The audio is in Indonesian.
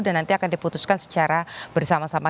dan nanti akan diputuskan secara bersama sama